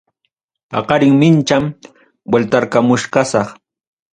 Paqarin mincham vueltarqamuchkasaq.